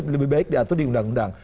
lebih baik diatur di undang undang